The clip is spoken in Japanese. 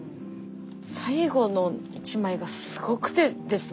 最後の一枚がすごくてですね